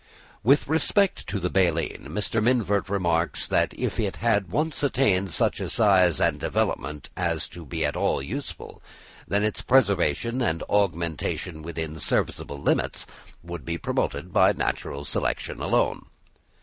With respect to the baleen, Mr. Mivart remarks that if it "had once attained such a size and development as to be at all useful, then its preservation and augmentation within serviceable limits would be promoted by natural selection alone.